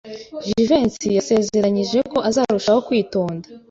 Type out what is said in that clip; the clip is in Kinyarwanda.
Jivency yasezeranyije ko azarushaho kwitonda.